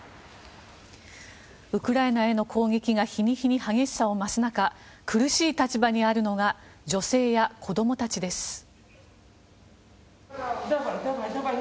ウクライナへの攻撃が日に日に激しさを増す中苦しい立場にあるのが女性や子供たちです。